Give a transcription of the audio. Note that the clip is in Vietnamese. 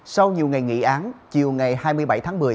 sau nhiều ngày nghị án chiều ngày hai mươi bảy tháng một mươi